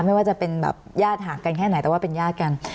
ไม่ว่าจะเป็นแบบญาติห่างกันแค่ไหนแต่ว่าเป็นญาติกัน